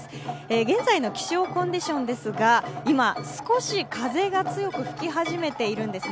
現在の気象コンディションですが、今、少し風が強く吹き始めているんですね。